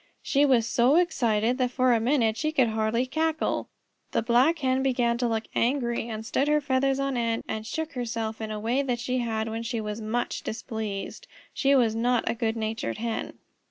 She was so excited that for a minute she could hardly cackle. The Black Hen began to look angry, and stood her feathers on end and shook herself in a way that she had when she was much displeased. She was not a good natured Hen.